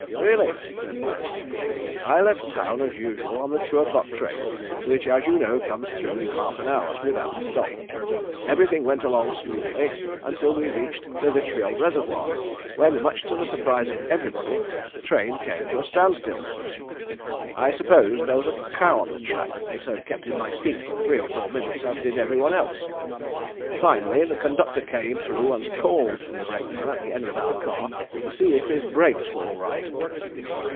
"Really," said the Baron. "I left town as usual on the two o'clock train, which, as you know, comes through in half an hour, without a stop. Everything went along smoothly until we reached the Vitriol Reservoir, when much to the surprise of everybody the train came to a stand still. I supposed there was a cow on the track, and so kept in my seat for three or four minutes as did every one else. Finally the conductor came through and called to the brakeman at the end of our car to see if his brakes were all right.